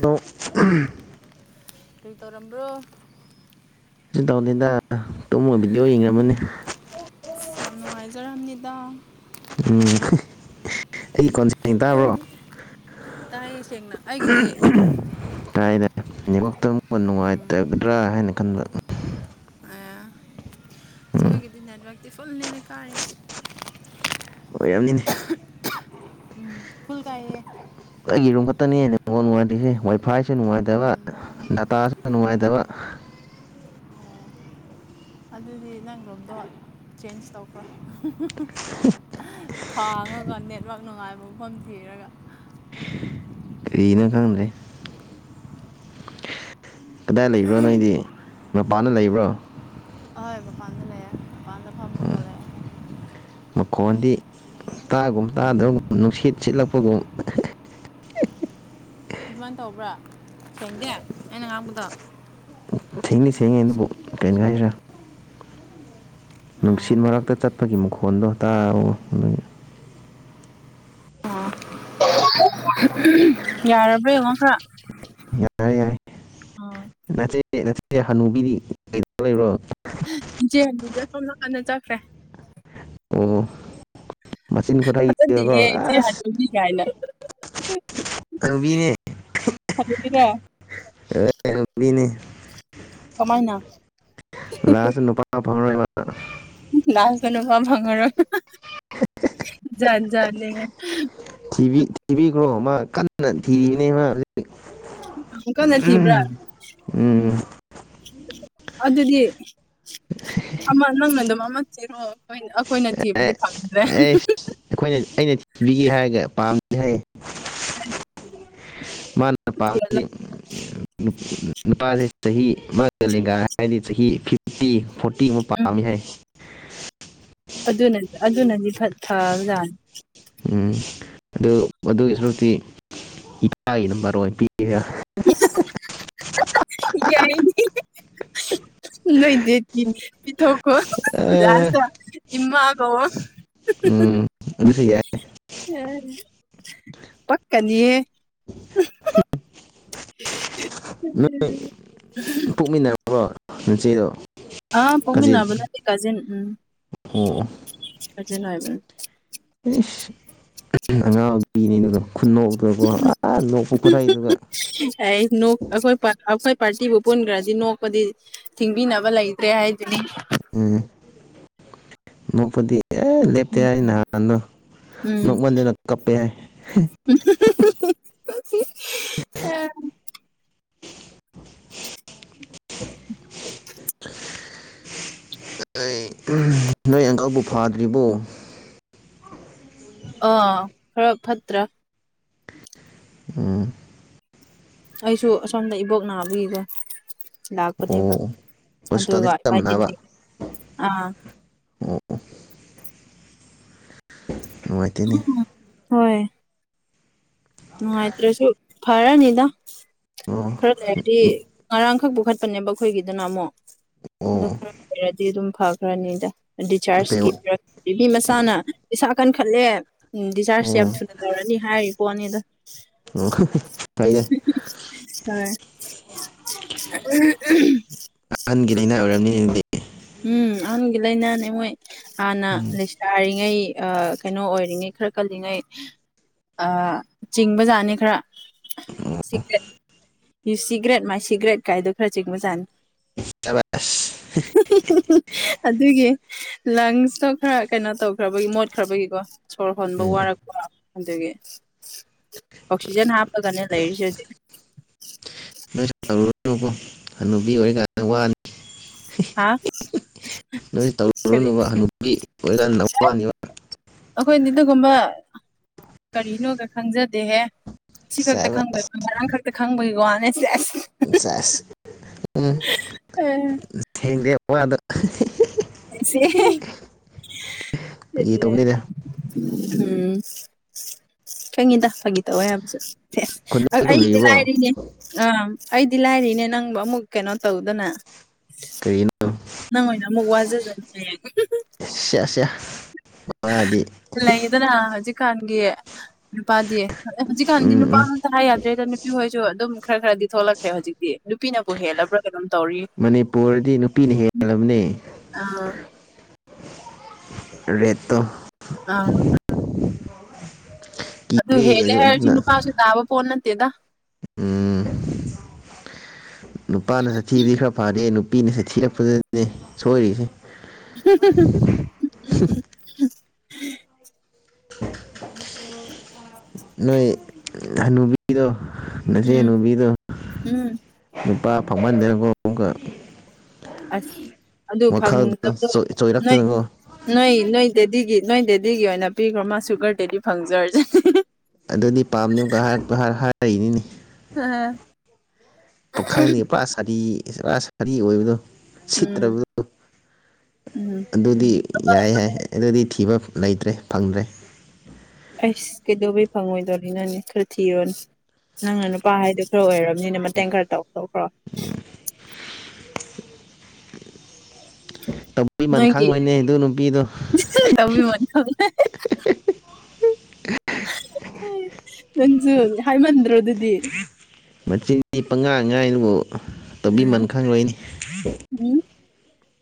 ꯅꯣꯞ [unintelligible] ꯀꯩ ꯇꯧꯔꯝꯕ꯭ꯔꯣ ꯁꯨ ꯇꯧꯗꯦꯗ ꯇꯨꯝꯃ ꯚꯤꯗꯤꯑꯣ ꯌꯦꯡꯉꯝꯕꯅꯤ ꯐꯖꯔꯝꯅꯤꯗ ꯎꯝ ꯑꯩ ꯈꯣꯟ ꯁꯦꯡ ꯇꯥꯕ꯭ꯔꯣ ꯑꯩꯈꯣꯏꯗꯤ ꯇꯥꯏꯌꯦ ꯁꯦꯡꯅ ꯑꯩꯒꯤꯗꯤ ꯇꯥꯏꯗ ꯅꯠꯋꯥꯛꯇꯣ ꯎꯝ ꯅꯨꯡꯉꯥꯏꯇ ꯒꯗ꯭ꯔꯥ ꯍꯥꯏꯅ ꯈꯟꯕ ꯑꯩꯌꯥ ꯎꯝ ꯑꯩꯈꯣꯏꯒꯤꯗꯤ ꯅꯦꯠꯋꯥꯛꯇꯤ ꯐꯨꯜꯅꯦꯅ ꯀꯥꯔꯤꯁꯦ ꯑꯣꯏꯔꯝꯅꯤꯅꯦ ꯎꯝ ꯐꯨꯜ ꯀꯥꯏꯌꯦ ꯑꯩꯒꯤ ꯔꯨꯝ ꯈꯛꯇꯅꯤ ꯅꯦꯠꯋꯛ ꯅꯨꯡꯉꯥꯏꯔꯤꯁꯦ ꯋꯥꯏꯐꯥꯏꯁꯨ ꯅꯨꯡꯉꯥꯏꯇꯕ ꯗꯇꯥꯁꯨ ꯅꯨꯡꯉꯥꯏꯇꯕ ꯑꯧ ꯑꯗꯨꯗꯤ ꯅꯪꯔꯨꯝꯗꯣ ꯆꯦꯟꯖ ꯇꯧꯈ꯭ꯔꯣ ꯊꯥꯡꯉꯒ ꯅꯦꯠꯋꯛ ꯅꯨꯡꯉꯥꯏꯕ ꯃꯐꯝ ꯊꯤꯔꯒ ꯀꯔꯤꯅꯣ ꯈꯪꯗꯦ ꯀꯗꯥꯏ ꯂꯩꯕ꯭ꯔꯣ ꯅꯣꯏꯗꯤ ꯃꯄꯥꯟꯗ ꯂꯩꯕ꯭ꯔꯣ ꯍꯣꯏ ꯃꯄꯥꯟꯗ ꯂꯩꯌꯦ ꯃꯄꯥꯟ ꯎꯝ ꯃꯈꯣꯟꯗꯤ ꯇꯥꯒꯨꯝ ꯇꯥꯗꯕꯒꯨꯝ ꯅꯨꯡꯁꯤꯠ ꯁꯤꯠꯂꯛꯄꯒꯨꯝ ꯑꯗꯨꯃꯥꯏꯅ ꯇꯧꯕ꯭ꯔꯥ ꯁꯦꯡꯗꯦ ꯑꯩꯅ ꯉꯥꯡꯕꯗꯣ ꯁꯦꯡꯗꯤ ꯁꯦꯡꯉꯦ ꯑꯗꯨꯕꯨ ꯀꯩꯉꯦ ꯍꯥꯏꯁꯤ꯭ꯔꯥ ꯑꯥ ꯅꯨꯡꯁꯤꯠ ꯃꯔꯛꯇ ꯆꯠꯄꯒꯤ ꯃꯈꯣꯟꯗꯣ ꯇꯥꯎ ꯋꯣ ꯑꯗꯨꯒꯤ ꯌꯥꯔꯕ꯭ꯔꯥ ꯌꯦꯡꯉꯣ ꯈ꯭ꯔꯥ ꯌꯥꯔꯦ ꯌꯥꯔꯦ ꯅꯆꯦ ꯅꯆꯦ ꯍꯅꯨꯕꯤꯗꯤ ꯀꯩꯗꯧ ꯂꯩꯕ꯭ꯔꯣ ꯏꯆꯦ ꯍꯥꯟꯅꯨꯕꯤ ꯁꯣꯝ ꯅꯀꯥꯟꯅꯗ ꯆꯠꯈ꯭ꯔꯦ ꯑꯣ ꯃꯆꯤꯟ ꯈꯨꯠꯍꯩꯗꯤꯀꯣ ꯐꯖꯗꯦꯍꯦ ꯏꯆꯦ ꯑꯦꯁ ꯍꯅꯨꯕꯤ ꯀꯥꯏꯅ ꯍꯅꯨꯕꯤꯅꯦ ꯍꯅꯨꯕꯤꯔꯥ ꯑꯦ ꯍꯅꯨꯕꯤꯅꯤ ꯀꯃꯥꯏꯅ ꯂꯥꯁꯇ ꯅꯨꯄꯥ ꯐꯪꯉꯔꯣꯏ ꯃꯥ ꯑꯥ ꯂꯥꯁꯇ ꯅꯨꯄꯥ ꯐꯉꯡꯔꯣꯏ ꯍꯥꯍꯥ ꯖꯥꯠ ꯖꯥꯠꯅꯦꯍꯦ ꯊꯤꯕꯤ ꯊꯤꯕꯤꯈ꯭ꯔꯣ ꯃꯥ ꯀꯥꯟꯅ ꯊꯤꯔꯤꯅꯦ ꯃꯥ ꯍꯧꯖꯤꯛ ꯀꯥꯟꯅ ꯊꯤꯕ꯭ꯔꯥ ꯎꯝ ꯑꯗꯨꯗꯤ ꯑꯃ ꯅꯪꯅꯥꯗꯨꯝ ꯃꯃꯥ ꯊꯤꯔꯣ ꯑꯩꯈꯣꯏꯅ ꯑꯦ ꯊꯤꯕꯗꯤ ꯐꯪꯗ꯭ꯔꯦ ꯑꯩꯁ ꯑꯩꯈꯣꯏꯅ ꯑꯩꯅ ꯊꯤꯕꯤꯒꯦ ꯍꯥꯏꯔꯒ [unintelligible] [unintelligible] ꯃꯥꯅ ꯄꯥꯝꯕꯗꯤ ꯊꯤꯍꯜꯂꯣ ꯅꯨꯄꯥꯁꯦ ꯆꯍꯤ ꯃꯒ ꯂꯦꯡꯒ ꯍꯥꯏꯔꯗꯤ ꯆꯍꯤ ꯐꯤꯞꯇꯤ ꯐꯣꯔ ꯐꯣꯔꯇꯤꯄꯥꯝꯃꯤ ꯍꯥꯏ ꯑꯗꯨꯅꯗꯤ ꯑꯗꯨꯅꯗꯤ ꯐꯠꯐꯕꯖꯥꯠꯅꯤ ꯎꯝ ꯑꯗꯨ ꯑꯗꯨꯒꯤ ꯁꯔꯨꯛꯇꯤ ꯏꯄꯥꯒꯤ ꯅꯥꯝꯕꯔ ꯑꯣꯏꯅ ꯄꯤ ꯏꯍꯥ ꯍꯥ ꯍꯥ ꯍꯥ ꯌꯥꯏꯅꯦꯗꯤ [unintelligible] ꯅꯣꯏ ꯗꯦꯠꯀꯤ ꯄꯤꯊꯣꯛꯈꯣ ꯑ ꯂꯥꯁꯇ ꯏꯃꯥ ꯀꯧꯋꯣ ꯎꯝ ꯑꯗꯨꯁꯨ ꯌ [unintelligible] ꯄꯛꯀꯅꯤꯌꯦ ꯍꯨꯝ [inaudible] ꯅꯣꯏ ꯄꯣꯛꯃꯤꯟꯅꯕ꯭ꯔꯣ ꯅꯆꯦꯗꯣ ꯑꯥ ꯀꯥꯖꯤꯟ ꯄꯣꯛꯃꯤꯟꯅꯕ ꯅꯠꯇꯦ ꯀꯖꯤꯟ ꯎꯝ ꯑꯣ ꯑꯣ ꯀꯖꯤꯟ ꯑꯣꯏꯕꯅꯦ ꯄꯤꯅꯤꯗꯨꯗꯣ ꯈꯨꯅꯣꯛꯇꯣꯀꯣ ꯑꯥ ꯅꯣꯛꯄ ꯈꯨꯠꯍꯩꯗꯨꯒ ꯄꯥꯔꯆꯤꯕꯨ ꯄꯨꯟꯒ꯭ꯔꯗꯤ ꯅꯣꯛꯄꯗꯤ ꯊꯤꯡꯕꯤꯅꯕ ꯂꯩꯇꯦ ꯍꯥꯏ ꯎꯝ ꯅꯣꯛꯄꯗꯤ ꯑꯦ ꯂꯦꯞꯇꯦ ꯍꯥꯢ ꯅꯥꯍꯥꯟꯗꯣ ꯎꯝ [unintelligible] [unintelligible] ꯑꯩ ꯅꯣꯏ ꯑꯪꯀꯜꯕꯨ ꯐꯥꯗ꯭ꯔꯤꯕꯣ ꯑ ꯈꯔ ꯐꯠꯇ꯭ꯔꯥ ꯎꯝ ꯑꯩꯁꯨ ꯑꯁꯣꯝꯗ ꯏꯕꯣꯛ ꯅꯥꯕꯒꯤꯀꯣ ꯂꯥꯛꯄꯅꯦꯕ ꯑꯣ ꯍꯣꯁꯄꯤꯇꯥꯜꯗ ꯑꯗꯨꯒ ꯑꯁꯨꯃꯥꯢꯗꯤ ꯆꯠꯂꯝꯕꯅꯦꯕ ꯊꯦꯡ ꯑꯥ [inaudible] ꯅꯨꯡꯉꯥꯏꯇꯦꯅꯦ ꯍꯣꯏ ꯅꯨꯡꯉꯥꯏꯇ꯭ꯔꯁꯨ ꯐꯔꯅꯤꯗ ꯑꯣ ꯈꯔ ꯂꯩꯔꯗꯤ ꯉꯔꯥꯡꯈꯛꯄꯨ ꯈꯠ ꯄꯅꯦꯕ ꯑꯈꯣꯏꯒꯤꯗꯨꯅ ꯑꯃꯨꯛ ꯑꯗꯨ ꯑꯣ ꯈꯔ ꯂꯩꯔꯗꯤ ꯑꯗꯨꯝ ꯐꯈ꯭ꯔꯅꯤꯗ ꯀꯩ ꯗꯤꯆꯥꯥꯔꯖꯀꯤ [unintelligible] ꯄꯤꯕꯤ ꯃꯁꯥꯅ ꯢꯁꯥ ꯀꯟꯈꯠꯂꯦ ꯎꯝ ꯗꯤꯆꯥꯔꯖꯁ ꯌꯥꯝ ꯑꯣ ꯊꯨꯅ ꯇꯧꯔꯅꯤ ꯍꯥꯏꯔꯤꯄꯣꯠꯅꯤꯗ ꯑꯣ [unintelligible] ꯐꯩꯌꯦ ꯍꯣꯏ [unintelligible] ꯑꯍꯟꯒꯤ ꯂꯩꯅꯥ ꯑꯣꯏꯔꯝꯅꯤ ꯑꯗꯨꯗꯤ ꯎꯝ ꯑꯍꯟꯒꯤ ꯂꯩꯥꯅꯥꯅꯦ ꯃꯣꯏ ꯍꯥꯟꯅ ꯎꯝ ꯂꯩꯁꯥꯔꯤꯉꯩ ꯑꯥ ꯀꯩꯅꯣ ꯑꯣꯏꯔꯤꯉꯩ ꯈꯔ ꯀꯜꯂꯤꯉꯩ ꯑꯥ ꯆꯤꯡꯕꯖꯥꯠꯅꯦ ꯈꯔ ꯁꯤꯒ꯭ꯔꯦꯠ ꯌꯨ ꯁꯤꯒ꯭ꯔꯦꯠ ꯃꯥꯏ ꯁꯤꯒ꯭ꯔꯦꯠ ꯀꯥꯏꯗꯣ ꯈꯔ ꯆꯤꯡꯕ ꯖꯥꯅꯤ ꯎꯁꯤꯠꯇꯕ ꯑꯁ [unintelligible] ꯑꯗꯨꯒꯤ ꯂꯪꯁꯁꯨ ꯈꯔ ꯀꯩꯅꯣ ꯇꯧꯈ꯭ꯔꯕꯒꯤ ꯃꯣꯠꯈ꯭ꯔꯕꯒꯤꯀꯣ ꯁꯣꯔ ꯍꯣꯟꯕ ꯎꯝ ꯋꯥꯔꯛꯄ ꯑꯗꯨꯒꯤ ꯑꯣꯛꯁꯤꯖꯦꯟ ꯍꯥꯄꯒꯅꯦ ꯂꯩꯔꯤꯁꯦ ꯍꯧꯖꯤꯛ ꯅꯣꯏꯁꯨ ꯇꯧꯔꯨꯔꯅꯨꯀꯣ ꯍꯅꯨꯕꯤ ꯑꯣꯏꯔꯀꯥꯟꯗ ꯋꯥꯅꯤ ꯑꯥ ꯀꯔꯤ ꯐꯖꯅ ꯋꯥꯅꯤꯕ ꯑꯈꯣꯏꯗꯤ ꯗꯨꯒꯨꯝꯕ ꯀꯔꯤꯅꯣꯒ ꯈꯪꯖꯗꯦꯍꯦ ꯁꯤ ꯈꯛꯇ ꯆꯥꯕ ꯈꯪꯕꯒꯤ ꯉꯔꯥꯡ ꯈꯛꯇ ꯈꯪꯕꯒꯤ ꯋꯥꯅꯦ ꯁꯦꯁ ꯢꯁꯦꯁ ꯎꯝ ꯑꯦ ꯊꯦꯡꯗꯦ [unintelligible] ꯑꯦꯁꯦ ꯐꯥꯒꯤ [unintelligible] ꯇꯧꯕꯅꯤꯗ ꯎꯝ ꯈꯪꯉꯤꯗ ꯐꯥꯒꯤ ꯇꯧꯋꯦ ꯍꯥꯏꯕꯁꯨ ꯈꯨꯟꯗ ꯑꯛ ꯑꯗꯨꯝ ꯑꯩꯒꯤꯗꯤ ꯂꯩꯕ꯭ꯔꯣ ꯂꯥꯏꯔꯤꯅꯦ ꯑꯝ ꯑꯩꯗꯤ ꯂꯥꯏꯔꯤꯅꯦ ꯅꯪꯕꯨ ꯑꯃꯨꯛ ꯀꯩꯅꯣ ꯇꯧꯗꯅ ꯀꯩꯅꯣ ꯅꯪ ꯑꯣꯢꯅ ꯑꯃꯨꯛ ꯋꯥꯖꯖꯅꯤꯍꯦ [unintelligible] ꯁꯦ ꯁꯦ ꯋꯥꯗꯤ ꯂꯩꯌꯦꯗꯅ ꯍꯧꯖꯤꯛꯀꯥꯟꯒꯤ ꯅꯨꯄꯥꯗꯤ ꯑꯦ ꯍꯧꯖꯤꯛꯀꯥꯟꯗꯤ ꯎꯝ ꯅꯨꯄꯥ ꯎꯝ ꯉꯣꯟꯇꯪ ꯍꯥꯏ ꯌꯥꯗ꯭ꯔꯦꯗ ꯅꯨꯄꯤ ꯍꯣꯏꯖꯨ ꯑꯗꯨꯝ ꯈꯔ ꯈꯔꯗꯤ ꯊꯣꯛꯂꯛꯈ꯭ꯔꯦ ꯍꯧꯖꯤꯛꯇꯤ ꯅꯨꯄꯤꯅꯕꯨ ꯍꯦꯜꯂꯕ꯭ꯔꯥ ꯀꯩꯅꯣꯝ ꯇꯧꯔꯤ ꯃꯅꯤꯄꯨꯔꯗꯤ ꯅꯨꯄꯤꯅ ꯍꯦꯜꯂꯕꯅꯦ ꯑꯥ ꯔꯦꯠ ꯇꯣ ꯑꯥ [unintelligible] ꯑꯗꯨ ꯀꯤꯔꯦ ꯍꯦꯜꯂꯦ ꯍꯥꯏꯔꯁꯨ ꯑꯗꯨꯅ ꯅꯨꯄꯥꯁꯨ ꯇꯥꯕ ꯄꯣꯠ ꯅꯠꯇꯦꯗ ꯎꯝ ꯅꯨꯄꯥꯅ ꯑꯊꯤꯕꯤ ꯈꯔ ꯐꯔꯦ ꯅꯨꯄꯤꯅ ꯊꯤꯔꯛꯄꯗꯅꯦ ꯁꯣꯏꯔꯤꯁꯦ [unintelligible] ꯅꯣꯏ ꯍꯅꯨꯕꯤꯗꯣ ꯅꯆꯦ ꯎꯝ ꯍꯅꯨꯕꯤꯗꯣ ꯎꯝ ꯅꯨꯄꯥ ꯐꯪꯃꯟꯗꯦꯕꯣ ꯑꯃꯨꯛꯀ [unintelligible] ꯑꯁ ꯑꯗꯨ ꯋꯥꯈꯜꯗꯣ ꯐꯪꯗꯕꯗꯣ ꯅꯣꯏ ꯆꯣꯏꯔꯛꯇꯅꯀꯣ ꯅꯣꯏ ꯅꯣꯏ ꯗꯦꯗꯤꯒꯤ ꯅꯣꯏ ꯗꯦꯗꯤ ꯗꯤꯒꯤ ꯑꯣꯏꯅ ꯄꯤꯈ꯭ꯔꯣ ꯃꯥ ꯁꯨꯒ꯭ꯔ ꯗꯦꯗꯤ ꯐꯪꯖꯔꯖꯅꯤ ꯑꯗꯨꯗꯤ ꯄꯥꯝꯗꯦ ꯑꯃꯨꯛꯀ ꯍꯥꯏꯔꯛꯄ ꯍꯥꯏ ꯍꯥꯏꯔꯤꯅꯤꯅꯦ ꯑꯥ ꯄꯥꯈꯪ ꯅꯤꯄꯥ ꯁꯥꯔꯤ ꯄꯨꯔꯥ ꯁꯥꯔꯤ ꯑꯣꯏꯕꯗꯣ ꯎꯝ ꯁꯤꯠꯇ꯭ꯔꯕꯗꯣ ꯎꯝ ꯑꯗꯨꯗꯤ ꯌꯥꯏ ꯍꯥꯏ ꯑꯗꯨꯗꯤ ꯊꯤꯕ ꯂꯩꯇ꯭ꯔꯦ ꯐꯪꯗ꯭ꯔꯦ ꯐꯪꯉꯣꯏꯗꯣꯔꯤꯅꯅꯦ ꯈꯔ ꯊꯤꯔꯣꯅꯦ ꯅꯪꯅ ꯅꯨꯄꯥ ꯍꯥꯏꯗꯣ ꯈꯔ ꯑꯣꯏꯔ ꯅꯤꯅꯦ ꯃꯇꯦꯡ ꯈꯔ ꯇꯧ ꯊꯣꯛꯈ꯭ꯔꯣ ꯇꯧꯕꯤꯃꯟ ꯅꯣꯏꯒꯤ ꯈꯪꯉꯣꯏꯅꯦ ꯑꯗꯨ ꯅꯨꯄꯤꯗꯣ ꯍꯤꯍꯤ [unintelligible] [unintelligible] ꯅꯪꯖꯨ ꯍꯥꯏꯃꯟꯗ꯭ꯔꯣ ꯑꯗꯨꯗꯤ ꯃꯆꯤꯟ ꯄꯉꯥꯡ ꯉꯥꯏꯂꯨ ꯎꯝ ꯍꯨꯝ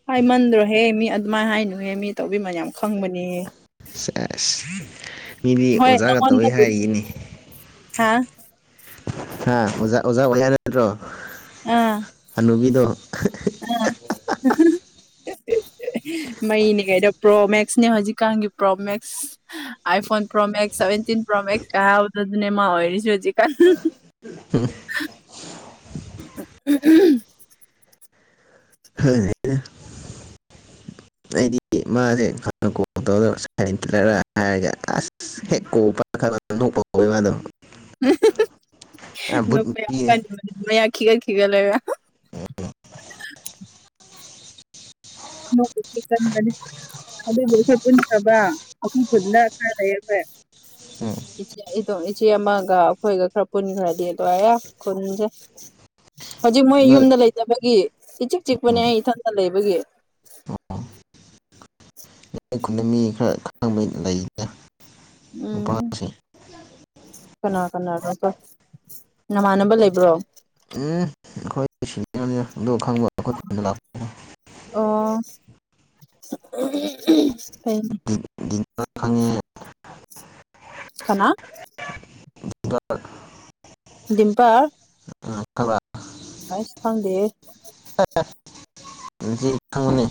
ꯍꯥꯏꯃꯟꯗꯔꯣ ꯍꯦ ꯃꯤ ꯑꯗꯨꯃꯥꯏ ꯍꯥꯏꯅꯨꯍꯦ ꯃꯤ ꯇꯧꯕꯤꯃꯟ ꯌꯥꯝ ꯈꯪꯕꯅꯦ ꯁꯦꯁ ꯃꯤꯗꯤ ꯑꯣꯖꯥꯒ ꯇꯧꯋꯦ ꯍꯥꯏꯔꯤꯅꯦ ꯍꯥ ꯍꯥ ꯑꯣꯖꯥ ꯑꯣꯖꯥ ꯑꯣꯏ ꯍꯥꯏ ꯅꯠꯇ꯭ꯔꯣ ꯍꯅꯨꯕꯤꯗꯣ ꯑꯥ [unintelligible] ꯃꯩꯅꯦ ꯀꯩꯅꯣ ꯄ꯭ꯔꯣ ꯃꯦꯛꯁꯅꯦ ꯍꯧꯖꯤꯛꯀꯥꯟꯒꯤ pro max iPhone pro max seventeen pro max ꯀꯥꯕꯗꯨꯅꯦ ꯃꯥ ꯑꯣꯏꯔꯤꯖꯦ ꯍꯧꯖꯤꯛꯀꯥꯟ [unintelligible] [unintelligible] [unintelligible] [unintelligible] ꯑꯩꯗꯤ ꯃꯥꯖꯦ ꯍꯥꯟꯅ ꯀꯣꯜ ꯇꯧꯔꯒ ꯁꯥꯏ ꯂꯩꯇ꯭ꯔꯕ꯭ꯔꯥ ꯍꯥꯏꯔꯒ ꯑꯁ ꯍꯦꯛ ꯀꯣꯜ ꯄꯥꯏꯈꯠꯂꯛꯄꯒ ꯅꯣꯛꯄ ꯍꯧꯋꯦ ꯃꯥꯗꯣ [unintelligible] ꯕꯨꯠ ꯅꯣꯛꯄ ꯌꯥꯝ ꯅꯨꯄꯤꯅꯦ ꯀꯟꯕꯅꯦ ꯃꯌꯥ ꯈꯤꯒꯠ ꯈꯤꯒꯠꯂꯒ ꯅꯣꯛꯄꯗꯤ ꯀꯟꯕꯅꯦ ꯑꯗꯨꯕꯨ ꯑꯈꯣꯏ ꯄꯨꯟꯈ꯭ꯔꯕ ꯑꯈꯣꯏ ꯈꯨꯟꯗ ꯈꯔ ꯂꯩꯌꯦ ꯑꯈꯣꯏ [unintelligible] ꯑ ꯏꯆꯦ ꯑꯃꯒ ꯑꯩꯈꯣꯏꯒ ꯈꯔ ꯄꯨꯟꯈ꯭ꯔꯗꯤ ꯂꯣꯏꯔꯦ ꯈꯨꯟꯖꯦ ꯍꯧꯖꯤꯛ ꯃꯣꯏ ꯅꯣꯏ ꯌꯨꯝꯗ ꯂꯩꯇꯕꯒꯤ ꯏꯆꯤꯛ ꯆꯤꯛꯄꯅꯦ ꯎꯝ ꯑꯩ ꯏꯊꯟꯗ ꯂꯩꯕꯒꯤ ꯅꯣꯏ ꯈꯨꯟꯗ ꯃꯤ ꯈꯔ ꯈꯪꯕ ꯂꯩꯗ ꯎꯝ ꯀꯅꯥ ꯀꯅꯥꯔꯣꯀꯣ ꯅꯃꯥꯟꯅꯕ ꯂꯩꯕ꯭ꯔꯣ ꯎꯝ ꯑꯩꯈꯣꯏꯗꯒꯤ ꯁꯦꯅꯤꯌꯔꯅꯤꯗ ꯑꯗꯨ ꯈꯪꯕ ꯑꯩꯈꯣꯏ ꯈꯨꯟꯗ ꯂꯥꯛꯄꯗ [unintelligible] ꯀꯩꯅꯣ ꯍꯣꯏ ꯈꯪꯉꯦ ꯀꯅꯥ [unintelligible] ꯗꯤꯝꯄꯔ ꯎꯝ ꯈꯪꯕ꯭ꯔꯥ ꯑꯩꯁ ꯈꯪꯗꯦꯍꯦ ꯍꯧꯖꯤꯛ ꯈꯪꯒꯅꯤ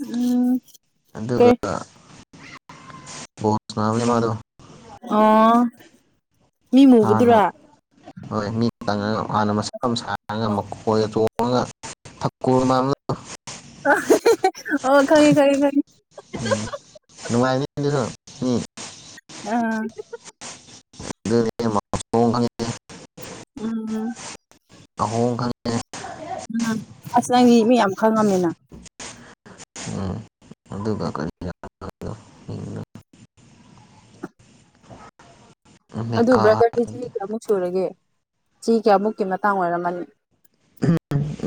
ꯎꯝ ꯑꯗꯨꯒ ꯀꯩ ꯕꯣꯜ ꯁꯥꯅꯕꯅꯦ ꯃꯥꯗꯨ ꯑꯣ ꯃꯤ ꯍꯥꯟꯅ ꯃꯨꯕꯗꯨꯔꯥ ꯍꯣꯏ ꯃꯤꯇꯪꯉ ꯍꯥꯟꯅ ꯃꯁꯝ ꯁꯥꯡꯉ ꯃꯀꯣꯏꯒ ꯆꯣꯝꯕ ꯆꯣꯡꯉꯒ ꯊꯥꯀꯨꯔ ꯃꯥꯟꯕꯗꯣ [unintelligible] ꯑꯣ ꯈꯪꯏ ꯈꯪꯏ ꯈꯪꯏ ꯅꯨꯡꯉꯥꯏꯅꯤ ꯑꯗꯨꯁꯨ ꯃꯤ ꯑꯥ [unintelligible] ꯎꯝ ꯑꯍꯣꯡ ꯈꯪꯑꯦ ꯎꯝ ꯑꯁ ꯅꯪꯗꯤ ꯃꯤ ꯌꯥꯝ ꯈꯪꯉꯝꯃꯦꯅ ꯎꯝ ꯑꯗꯨꯒ ꯀꯔꯤꯔ ꯑꯗꯨ ꯃꯦꯀꯥ ꯕ꯭ꯔꯗꯔꯗꯤ ꯆꯍꯤ ꯀꯌꯥꯃꯨꯛ ꯁꯨꯔꯒꯦ ꯆꯍꯤ ꯀꯌꯥꯃꯨꯛꯀꯤ ꯃꯇꯥꯡ ꯑꯣꯏꯔꯝꯃꯅꯤ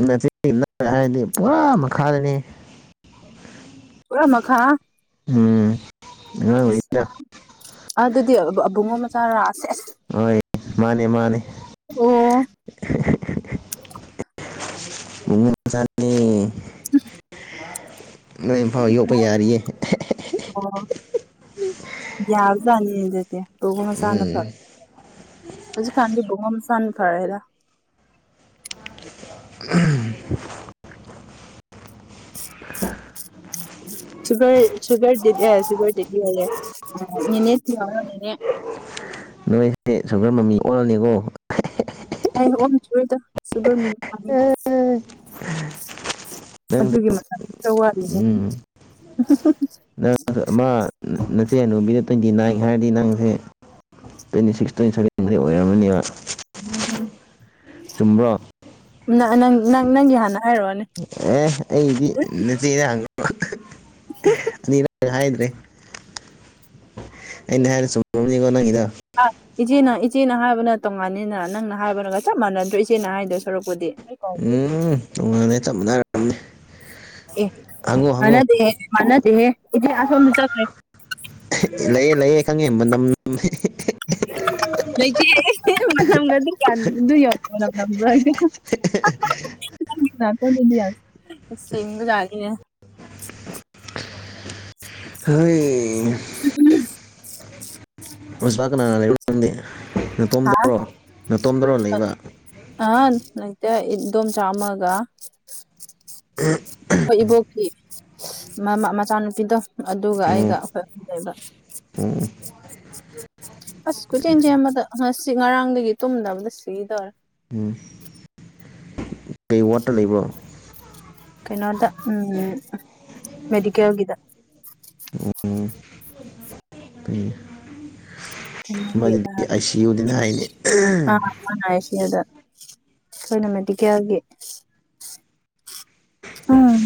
ꯃꯦꯇꯤꯝ꯭ꯔꯤꯛꯀꯤ ꯅꯠꯇ꯭ꯔꯥ ꯍꯥꯏꯔꯗꯤ ꯄꯨꯔꯥ ꯃꯈꯥꯗꯅꯤꯍꯦ ꯄꯨꯔꯥ ꯃꯈꯥ ꯎꯝ ꯑꯉꯥꯡ ꯑꯁ ꯑꯣꯏꯔꯤꯗ ꯑꯗꯨꯗꯤ ꯑ ꯑꯕꯨꯡꯉꯣ ꯃꯆꯥꯔꯥ ꯁꯦꯁ ꯍꯣꯏ ꯃꯥꯅꯦ ꯃꯥꯅꯦ ꯑꯦ ꯑꯣ ꯍꯦ ꯍꯦ ꯕꯨꯡꯉꯣ ꯃꯆꯥꯅꯦ ꯎꯝ ꯅꯣꯏ ꯏꯝꯐꯥꯜ ꯌꯣꯛꯄ ꯌꯥꯔꯤꯌꯦ ꯑꯣ ꯌꯥꯕꯖꯥꯠꯅꯤ ꯑꯗꯨꯗꯤ ꯕꯨꯡꯉꯣ ꯃꯆꯥꯅ ꯐ ꯎꯝ ꯍꯧꯖꯤꯛꯀꯥꯟꯗꯤ ꯕꯨꯡꯉꯣ ꯃꯆꯥꯅ ꯐꯔꯦꯗ [unintelligible] ꯑ ꯁꯨꯒꯔ ꯁꯨꯒꯔ ꯗꯗꯦꯗꯤ ꯁꯨꯒꯔ ꯗꯦꯗꯤꯑꯌꯦ ꯅꯦꯅꯦ ꯊꯤꯍꯧꯔꯣ ꯅꯤꯅꯦ ꯅꯣꯏꯁꯦ ꯁꯨꯒꯔ ꯃꯃꯤ ꯑꯣꯜꯂꯅꯤꯀꯣ [unintelligible] ꯍꯥꯏꯔꯛꯑꯣ [unintelligible] ꯁꯨꯒꯔꯃꯤꯝ [unintelligible] ꯑꯗꯨꯒꯤ ꯃꯇꯝꯗꯤ ꯈꯔ [unintelligible] ꯋꯥꯠꯂꯤꯍꯦ ꯎꯝ ꯅꯪ [unintelligible] ꯑꯃꯥ ꯅ ꯅ ꯏꯆꯦ ꯑꯅꯨꯕꯤꯗ ꯇ꯭ꯋꯦꯟꯇꯤ ꯅꯥꯏꯟ ꯍꯥꯏꯔꯗꯤ ꯅꯪꯁꯦ ꯇ꯭ꯋꯦꯟꯇꯤ ꯁꯤꯛꯁ ꯇ꯭ꯋꯦꯟꯇꯤ ꯁꯚꯦꯟꯗꯤ ꯑꯣꯏꯔꯝꯃꯅꯤꯕ ꯎꯝꯍꯝ ꯆꯨꯝꯕ꯭ꯔꯣ ꯅꯥꯑ ꯅꯪ ꯅꯪꯪ ꯅꯪꯒꯤ ꯍꯥꯟꯅ ꯍꯥꯏꯔꯛꯑꯣꯅꯦ ꯑꯦ ꯑꯩꯗꯤ ꯅꯆꯦꯅ ꯍꯪꯉꯣ ꯑꯅꯤꯔꯛ ꯍꯥꯏꯗ꯭ꯔꯦ ꯑꯩꯅ ꯍꯥꯢꯗꯤ ꯆꯨꯝꯃꯝꯅꯤꯀꯣ ꯅꯪꯒꯤꯗꯣ ꯑꯥ ꯏꯆꯦꯅ ꯏꯆꯦꯅ ꯍꯥꯏꯕꯅ ꯇꯣꯡꯉꯥꯟꯅꯤꯅ ꯅꯪꯅ ꯍꯥꯏꯕꯅꯒ ꯆꯞ ꯃꯥꯟꯅꯗ꯭ꯔꯣ ꯏꯆꯦꯅ ꯍꯥꯏꯗꯣꯏ ꯁꯔꯨꯛꯄꯨꯗꯤ ꯎꯝ ꯇꯣꯉꯥꯜꯗꯦ ꯆꯞ ꯃꯥꯟꯅꯔꯝꯅꯤ ꯑꯦ ꯃꯥꯟꯅꯗꯦ ꯃꯥꯟꯅꯗꯦꯍꯦ ꯏꯗꯤ ꯑꯁꯣꯝꯗ ꯆꯠꯈ꯭ꯔꯦ ꯂꯩꯌꯦ ꯂꯩꯌꯦ ꯈꯪꯉꯦ ꯃꯅꯝ [unintelligible] ꯂꯩꯇꯦ ꯃꯅꯝꯒꯗꯤ ꯒ꯭ꯌꯥꯟ [unintelligible] [unintelligible] ꯁꯤꯡꯕ ꯖꯥꯠꯅꯤꯅꯦ ꯍꯩ ꯃꯨꯁꯄꯥ ꯀꯅꯥ ꯀꯅꯥ [unintelligible] ꯍꯥ ꯅꯇꯣꯝꯗꯔꯣ ꯅꯇꯣꯝꯗꯔꯣ ꯂꯩꯕ ꯇꯦ ꯏꯗꯣꯝꯆꯥ ꯑꯃꯒ ꯑꯈꯣꯏ ꯏꯕꯣꯛ ꯀꯤ ꯃꯃꯥ ꯃꯆꯥꯅꯨꯄꯤꯗꯣ ꯑꯗꯨꯒ ꯑꯣ ꯑꯩꯒ ꯑꯈꯣꯏ ꯑꯍꯨꯝ ꯂꯩꯕ ꯑꯣ ꯑꯁ ꯀꯣꯏꯆꯦꯟ ꯆꯦꯟꯕꯗ ꯉꯁꯤ ꯉꯔꯥꯡꯗꯒꯤ ꯇꯨꯝꯗꯕꯗ ꯁꯤꯗꯣꯔꯦ ꯎꯝ ꯀꯩ ꯋꯥꯠꯇ ꯂꯩꯕ꯭ꯔꯣ ꯀꯩꯅꯣꯗ ꯎꯝ ꯃꯦꯗꯤꯀꯦꯜꯒꯤꯗ ꯑꯣ ꯐꯩ ꯃꯗꯨꯗꯤ ꯑꯥꯏ [unintelligible] ꯁꯤ ꯌꯨꯅꯤꯅ ꯍꯥꯏꯅꯦ ꯑꯈꯣꯏꯅ ꯃꯦꯗꯤꯀꯦꯜꯒꯤ ꯎꯝ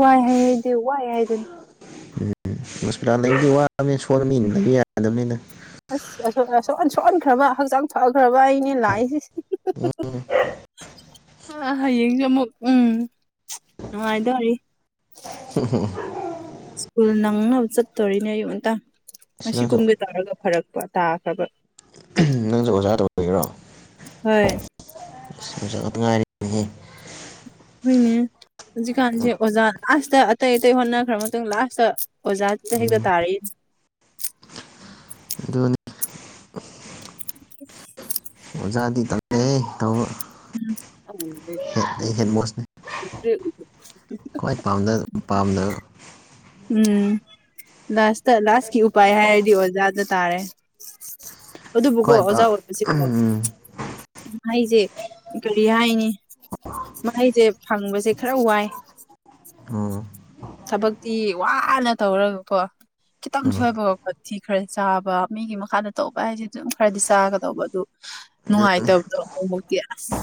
ꯋꯥꯏ ꯍꯥꯏꯍꯩꯗꯦ ꯋꯥꯏ ꯍꯥꯏꯗꯨꯅꯤ ꯎꯝ ꯃꯁꯄꯔꯥ ꯂꯩꯕꯗꯤ ꯋꯥꯕꯅꯤ [unintelligible] ꯌꯥꯗꯝꯅꯤꯅ ꯑꯁ ꯑꯁꯣꯝꯗ ꯁꯣꯛꯍꯟ ꯁꯣꯛꯍꯟꯈ꯭ꯔꯕ ꯍꯛꯆꯥꯡ ꯐꯈ꯭ꯔꯕ ꯑꯩꯅꯦ ꯂꯥꯛꯏꯁꯦ ꯎꯝ ꯅꯪꯅ ꯍꯌꯦꯡꯖꯨ ꯑꯃꯨꯛ ꯎꯝ ꯅꯨꯡꯉꯥꯏꯗꯣꯔꯤ ꯁ꯭ꯀꯨꯜ ꯅꯪꯅꯕ ꯆꯠꯇꯣꯔꯤꯅꯦ ꯑꯌꯨꯛ ꯉꯟꯇꯥ ꯑꯁ ꯉꯁꯤ ꯅꯪꯁꯨ ꯀꯨꯝꯒꯦ ꯇꯧꯔꯒ ꯐꯔꯛ ꯄ ꯇꯥꯈ꯭ꯔꯕ ꯅꯪꯖꯨ ꯑꯣꯖꯥꯗꯧ [unintelligible] ꯍꯣꯏ [unintelligible] ꯍꯨꯢꯅꯦ ꯍꯨꯖꯤꯛꯀꯥꯟꯖꯦ ꯑꯣꯖꯥ ꯂꯥꯁꯇ ꯑꯇꯩ ꯑꯇꯩ ꯍꯣꯠꯅꯈ꯭ꯔ ꯃꯇꯨꯡ ꯂꯥꯁꯇ ꯑꯣꯖꯥ ꯗ ꯍꯦꯛꯇ ꯎꯝ ꯇꯥꯔꯤ ꯑꯗꯨꯅꯤ [inaudible] ꯑꯣꯖꯥꯗꯤ [unintelligible] ꯇꯧꯕ ꯎꯝ ꯌꯥꯝ ꯃꯨꯟꯕꯩ ꯍꯦꯠ ꯑꯩ ꯍꯦꯠ ꯃꯣꯁꯅꯤ ꯆꯦ [unintelligible] ꯈ꯭ꯋꯥꯏ ꯄꯥꯝꯗ ꯄꯥꯝꯗꯕ ꯎꯝ ꯂꯥꯁꯇ ꯂꯥꯁꯀꯤ ꯎꯄꯥꯏ ꯍꯥꯏꯔꯗꯤ ꯑꯣꯖꯥꯗ ꯇꯥꯔꯦ ꯑꯗꯨꯕꯨꯀꯣ ꯈ꯭ꯋꯥꯏ ꯑꯣꯖꯥ ꯄꯥꯝ ꯑꯣꯏꯕꯁꯤꯀꯣ ꯎꯝ ꯑꯩꯁꯦ ꯀꯔꯤ ꯍꯥꯏꯅꯤ ꯃꯍꯩꯁꯦ ꯐꯪꯕꯁꯦ ꯈꯔ ꯋꯥꯏ ꯑꯣ ꯊꯕꯛꯇꯤ ꯋꯥꯅ ꯇꯧꯔꯒꯀꯣ ꯈꯤꯇꯪ ꯎꯝ ꯑꯗꯨ ꯁꯣꯏꯕꯒ ꯈꯣꯟꯊꯤ ꯈꯔ ꯆꯥꯕ ꯃꯤꯒꯤ ꯃꯈꯥꯗ ꯇꯧꯕ ꯍꯥꯏꯁꯦ ꯑꯗꯨꯝ ꯈꯔꯗꯤ ꯆꯥꯒꯗꯧꯕ ꯑꯗꯨ ꯅꯨꯡꯉꯥꯏꯇꯕꯗꯣ ꯑꯃꯨ ꯃꯨꯛꯇꯤ ꯑꯁ